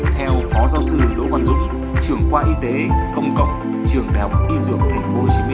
theo phó giáo sư đỗ văn dũng trưởng khoa y tế công cộng trường đại học y dược tp hcm